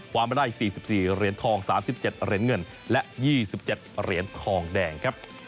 ความเมื่อใด๔๔เหรียญทอง๓๗เหรียญเงินและ๒๗เหรียญทองแดง